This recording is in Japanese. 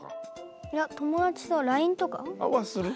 いや友達とはＬＩＮＥとか。はする？